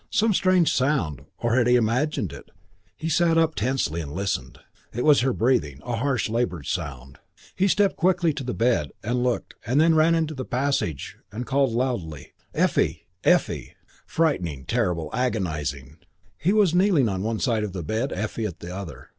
Some strange sound, or had he imagined it? He sat up tensely and listened. It was her breathing, a harsh and laboured sound. He stepped quickly to the bed and looked and then ran into the passage and called loudly, "Effie! Effie!" Frightening, terrible, agonising. He was kneeling on one side of the bed, Effie at the other.